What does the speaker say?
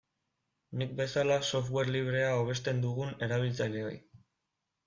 Nik bezala software librea hobesten dugun erabiltzaileoi.